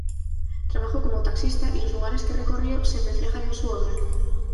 Trabajó como taxista y los lugares que recorrió se reflejan en su obra.